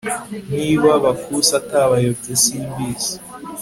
niba bakusi atabayobye simbizi